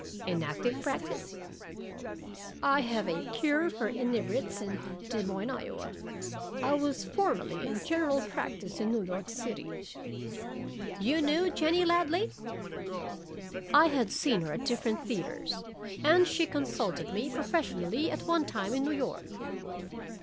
"In active practise?" "I have a Cure for Inebriates in Des Moines, Iowa. I was formerly in general practise in New York City." "You knew Jennie Ladley?" "I had seen her at different theaters. And she consulted me professionally at one time in New York."